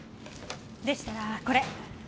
でしたらこれ。